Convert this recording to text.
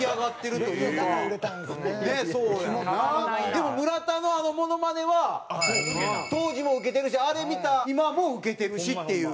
でも村田のあのモノマネは当時もウケてるしあれ見た今もウケてるしっていう。